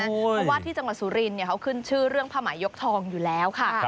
เพราะว่าที่จังหวัดสุรินทร์เขาขึ้นชื่อเรื่องผ้าหมายยกทองอยู่แล้วค่ะ